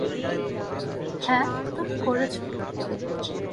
হ্যা, তুমি করছো।